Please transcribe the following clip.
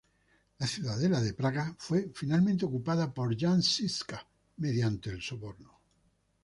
La ciudadela de Praga fue finalmente ocupada por Jan Žižka mediante el soborno.